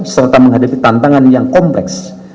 serta menghadapi tantangan yang kompleks